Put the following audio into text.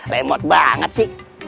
lemot banget sih